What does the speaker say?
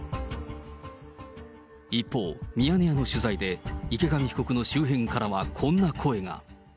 一方、ミヤネ屋の取材で、池上被告の周辺からは、こんな声が。